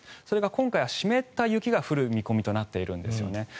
それが今回は湿った雪が降る見込みとなっているんですよね。